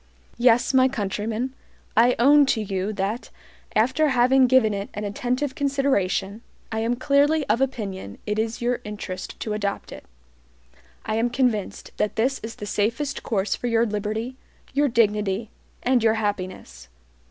Yes, my countrymen, I own to you that, after having given it an attentive consideration, I am clearly of opinion it is your interest to adopt it. I am convinced that this is the safest course for your liberty, your dignity, and your happiness.